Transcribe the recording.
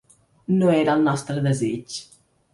No era el nostre desig.